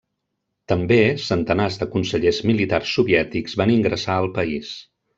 També, centenars de consellers militars soviètics van ingressar al país.